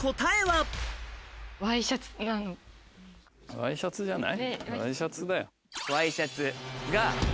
ワイシャツじゃない？